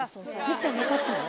みっちゃん分かったの？